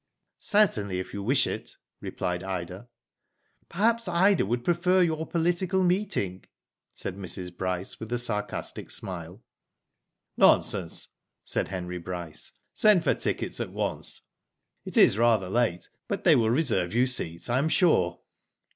"Certainly, if you wish it," replied Ida. Digitized byGoogk A MYSTERY. 13 '* Perhaps Ida would prefer your political meet ing," said Mrs. Bryce, with a sarcastic smile. '* Nonsense," said Henry Bryce. Send for tickets at once. It is rather late, but they will reserve you seats I am sure."